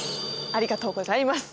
ありがとうございます。